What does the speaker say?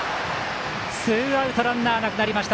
ツーアウトランナーなくなりました。